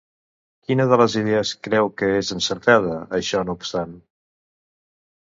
Quina de les idees creu que és encertada, això no obstant?